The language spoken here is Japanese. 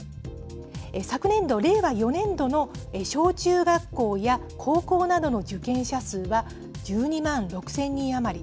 昨年度・令和４年度の小中学校や高校などの受験者数は１２万６０００人余り。